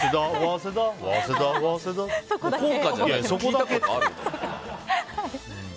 そこだけ。